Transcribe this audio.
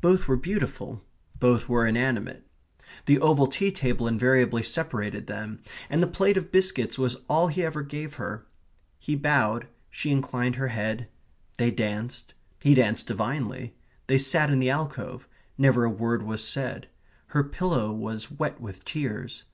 Both were beautiful. Both were inanimate. The oval tea table invariably separated them, and the plate of biscuits was all he ever gave her. He bowed; she inclined her head. They danced. He danced divinely. They sat in the alcove; never a word was said. Her pillow was wet with tears.